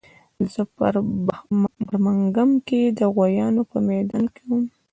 زه په برمنګهم کې د غویانو په میدان کې وم